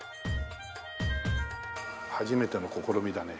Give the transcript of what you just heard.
初めての試みだね。